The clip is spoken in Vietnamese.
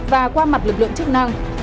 và qua mặt lực lượng chức năng